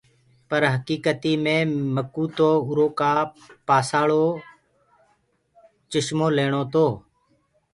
پر هڪيڪتي مي مڪوُ تو اُرو ڪآ پآسآݪو ڪسمو ليڻتو۔